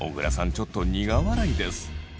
ちょっと苦笑いです。